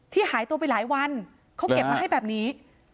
หายตัวไปหลายวันเขาเก็บมาให้แบบนี้